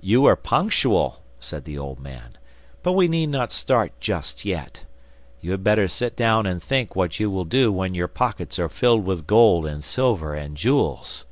'You are punctual,' said the old man, 'but we need not start just yet. You had better sit down and think what you will do when your pockets are filled with gold and silver and jewels.